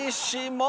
も